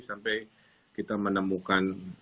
sampai kita menemukan